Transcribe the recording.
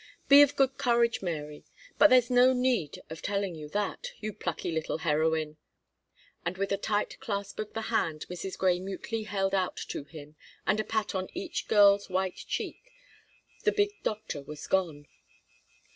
Be of good courage, Mary; but there's no need of telling you that, you plucky little heroine." And with a tight clasp of the hand Mrs. Grey mutely held out to him, and a pat on each girl's white cheek, the big doctor was gone.